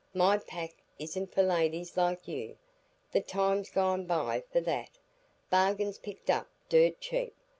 "My pack isn't for ladies like you. The time's gone by for that. Bargains picked up dirt cheap!